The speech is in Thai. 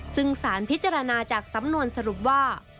ซึ่งสารพิจารณาจากสำนวนสรุปว่า